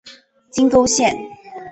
金沟线